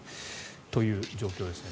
という状況ですね。